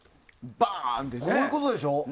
こういうことでしょ？